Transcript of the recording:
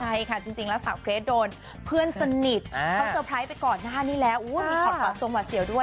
ใช่ค่ะจริงแล้วสาวเกรสโดนเพื่อนสนิทเขาเซอร์ไพรส์ไปก่อนนะคะนี่แล้ว